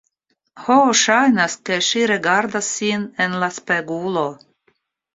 Ho, ŝajnas, ke ŝi rigardas sin en la spegulo